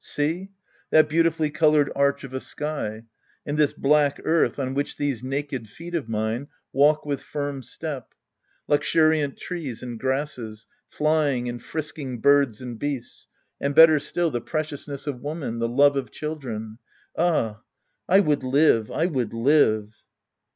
See ! That beauti fully colored arch of a sky ! And this black earth on which these naked feet of mine walk with firm step ! Luxuriant trees and grasses, flying and frisking birds and beasts, and better still, the preciousness of womg.n, the love of children, — ah, I would live, I would liye